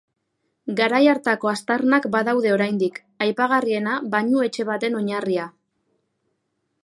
Garai hartako aztarnak badaude oraindik, aipagarriena bainuetxe baten oinarria.